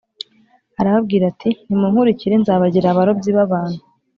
Arababwira ati “Nimunkurikire nzabagire abarobyi b’abantu.”